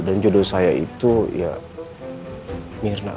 dan jodoh saya itu ya myrna bu